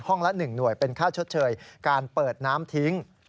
ละ๑หน่วยเป็นค่าชดเชยการเปิดน้ำทิ้ง